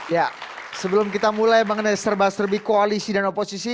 ya sebelum kita mulai mengenai serba serbi koalisi dan oposisi